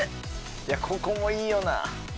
いやここもいいよな。